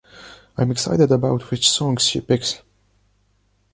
I’m excited about which songs she picks.